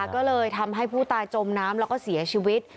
ก็เลยทำให้ผู้ตายจมน้ำแล้วก็เสียชีวิต